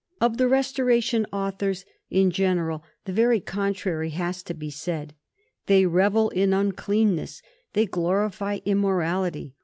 Of the Restoration authors, in general, the very contrary has to be said. They revel in nncleanness; they glorify im morality.